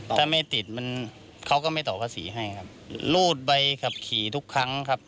ถ้าไม่ติดมันเขาก็ไม่ต่อภาษีให้ครับรูดใบขับขี่ทุกครั้งครับ